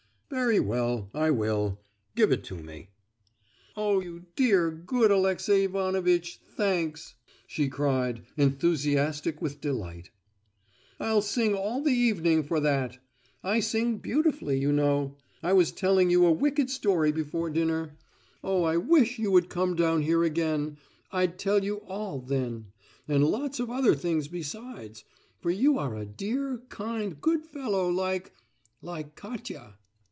"Very well, I will. Give it to me!" "Oh, you dear, good Alexey Ivanovitch, thanks!" she cried, enthusiastic with delight. "I'll sing all the evening for that! I sing beautifully, you know! I was telling you a wicked story before dinner. Oh, I wish you would come down here again; I'd tell you all, then, and lots of other things besides—for you are a dear, kind, good fellow, like—like Katia!"